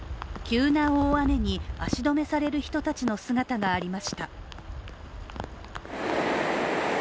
急な大雨に足止めされる人たちの姿がありました。